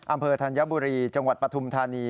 ธัญบุรีจังหวัดปฐุมธานี